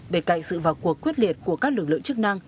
bên cạnh sự vào cuộc quyết liệt của các lực lượng chức năng